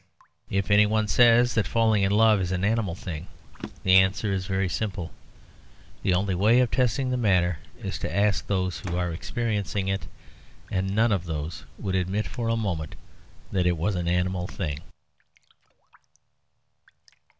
If anyone says that falling in love is an animal thing, the answer is very simple. The only way of testing the matter is to ask those who are experiencing it, and none of those would admit for a moment that it was an animal thing.